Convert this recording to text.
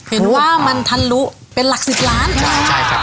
เห็นว่ามันทันลุเป็นหลัก๑๐ล้าน